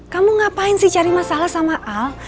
kamu ngapain sih cari masalah sama al